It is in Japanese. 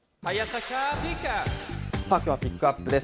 きょうはピックアップです。